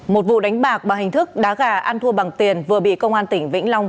một vụ đánh bạc bằng hình thức đá gà ăn thua bằng tiền vừa bị công an tỉnh vĩnh long